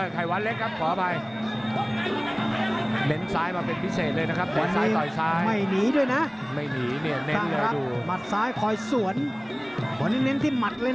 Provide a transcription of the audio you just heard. การพิสอบเนี่ยจะว่าไปแล้วเนี่ย